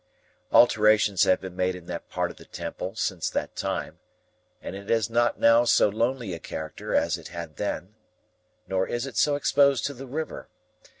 Alterations have been made in that part of the Temple since that time, and it has not now so lonely a character as it had then, nor is it so exposed to the river.